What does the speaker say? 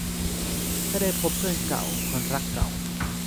ถ้าได้พบเพื่อนเก่า คนรักเก่า